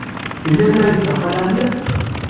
Yella kra ay yeffer Xali Ɛli?